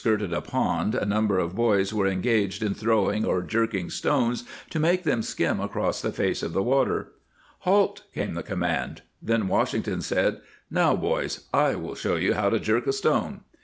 207 ] The Private Soldier Under Washington pond a number of boys were engaged in throwing or "jerking" stones to make them skim across the face of the water. " Halt !" came the command. Then Wash ington said :" Now, boys, / will show you how to jerk a stone."